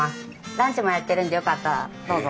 ランチもやってるんでよかったらどうぞ。